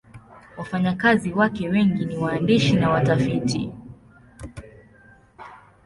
Wafanyakazi wake wengi ni waandishi na watafiti.